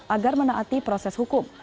agar menaati proses hukum